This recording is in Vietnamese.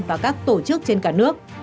và các tổ chức trên cả nước